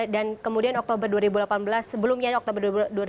dan kemudian oktober dua ribu delapan belas sebelumnya oktober dua ribu delapan belas